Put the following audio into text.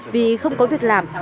vì không có việc làm